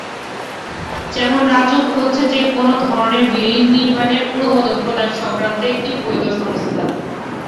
যেমনঃ রাজউক হচ্ছে যেকোনো ধরনের বিল্ডিং নির্মাণের অনুমোদন প্রদান সংক্রান্ত একটি বৈধ সংস্থা।